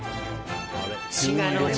滋賀の地